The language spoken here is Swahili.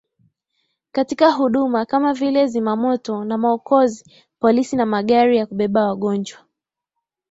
katika huduma kama vile Zimamaoto na maokozi Polisi na magari ya kubeba wagonjwa